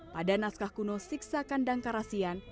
pada naskah kuno siksakan dangkarasian